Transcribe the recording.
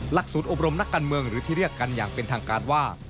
ศูนย์อบรมนักการเมืองหรือที่เรียกกันอย่างเป็นทางการว่า